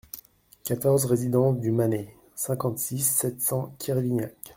quatorze résidence du Mané, cinquante-six, sept cents, Kervignac